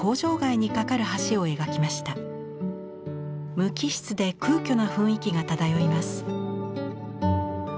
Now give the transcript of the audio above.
無機質で空虚な雰囲気が漂います。